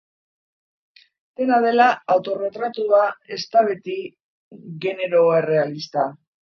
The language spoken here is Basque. Dena dela, autoerretratua ez da beti genero errealista.